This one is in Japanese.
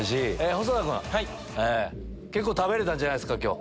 細田君結構食べれたんじゃないですか今日。